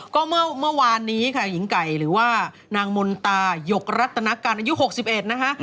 ก็เมื่อวานนี้ค่ะหญิงไก่หรือว่านางมนตายกรัตนการอายุ๖๑นะคะ